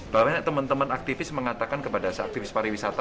banyak teman teman aktivis mengatakan kepada aktivis pariwisata